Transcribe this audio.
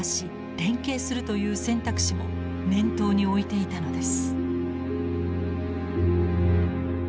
連携するという選択肢も念頭に置いていたのです。